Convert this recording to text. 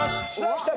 きた。